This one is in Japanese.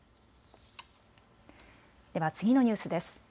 では次のニュースです。